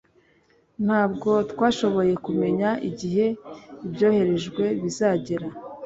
ntabwo twashoboye kumenya igihe ibyoherejwe bizagera